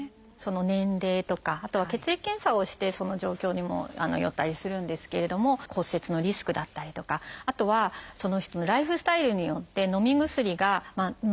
年齢とかあとは血液検査をしてその状況にもよったりするんですけれども骨折のリスクだったりとかあとはその人のライフスタイルによってのみ薬がのめない人。